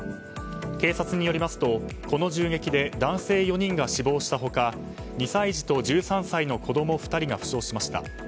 警察によりますと、この銃撃で男性４人が死亡した他２歳児と１３歳の子供２人が負傷しました。